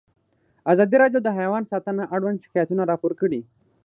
ازادي راډیو د حیوان ساتنه اړوند شکایتونه راپور کړي.